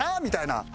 みたいな。